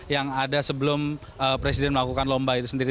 yang ada sebelum presiden melakukan lomba itu sendiri